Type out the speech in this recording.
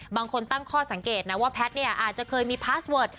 บางคนตั้งข้อสังเกตนะว่าแพทย์เนี่ยอาจจะเคยมีพาสเวิร์ด